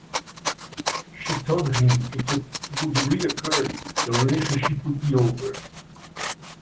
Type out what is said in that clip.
She told him if it would reoccur, the relationship would be over.